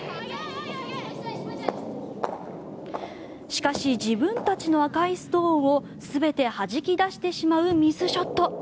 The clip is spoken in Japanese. しかし自分たちの赤いストーンを全てはじき出してしまうミスショット。